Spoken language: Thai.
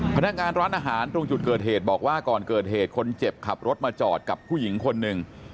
พนักงานร้านอาหารตรงจุดเกิดเหตุบอกว่าก่อนเกิดเหตุคนเจ็บขับรถมาจอดกับผู้หญิงคนหนึ่ง